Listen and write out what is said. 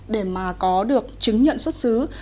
để mà có được chứng nhận xuất xứ